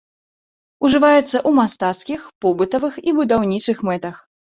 Ужываецца ў мастацкіх, побытавых і будаўнічых мэтах.